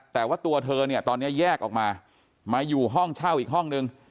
แต่ว่าตัวเธอเนี่ยตอนนี้แยกออกมามาอยู่ห้องเช่าอีกห้องนึง